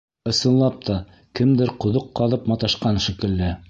Ысынлап та, кемдер ҡоҙоҡ ҡаҙып маташҡан, шикелле.